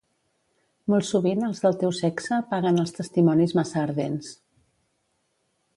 Molt sovint els del teu sexe paguen els testimonis massa ardents.